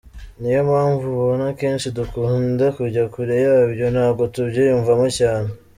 Niyo mpamvu ubona kenshi dukunda kujya kure yabyo ntabwo tubyiyumvamo cyane.